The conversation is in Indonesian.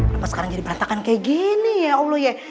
lepas sekarang jadi perantakan kayak gini ya ya allah ya